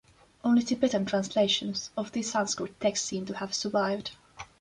Only Tibetan translations of this Sanskrit text seem to have survived.